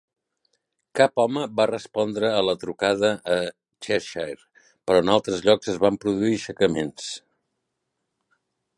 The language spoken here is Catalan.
Cap home va respondre a la trucada a Cheshire, però en altres llocs es van produir aixecaments.